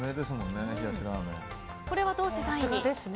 これはどうして３位に？